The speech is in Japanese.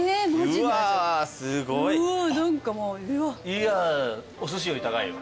いやおすしより高いよ。